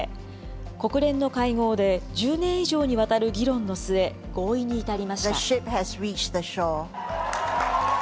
国連の会合で、１０年以上にわたる議論の末、合意に至りました。